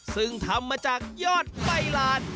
ซึ่งทำมาจากยอดใบลาน